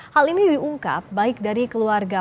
hal ini diungkap baik dari keluarga